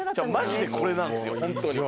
マジでこれなんですよホントに。